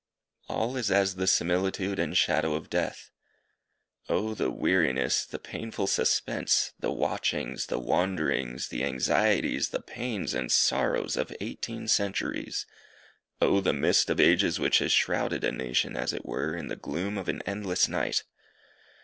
All is as the similitude and shadow of death. Oh the weariness, the painful suspense, the watchings, the wanderings, the anxieties, the pains and sorrows of eighteen centuries! Oh the mist of ages which has shrouded a nation as it were in the gloom of an endless night!